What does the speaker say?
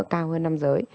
cao hơn năm giới